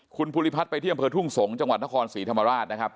คุณภูริพัฒน์ไปที่อำเภอทุ่งสงศ์จังหวัดนครศรีธรรมราชนะครับ